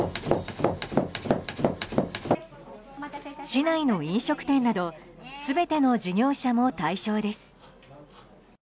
市内の飲食店など全ての事業者も対象です。